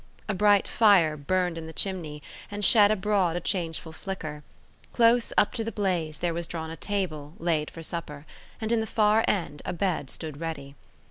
A bright fire burned in the chimney, and shed abroad a changeful flicker; close up to the blaze there was drawn a table, laid for supper; and in the far end a bed stood ready.